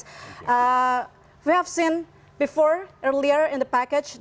kita sudah melihat sebelumnya dalam paketnya